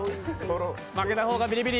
負けた方がビリビリ。